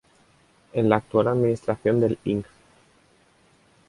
En la actual administración del Ing.